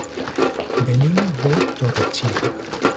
Venim de Torre-xiva.